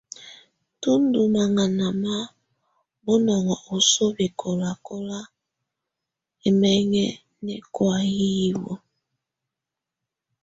Tù ndù maŋana ma bunɔŋɔ osoo bɛkɔlakɔna ɛmɛŋɛ nɛkɔ̀á nɛ hiwǝ.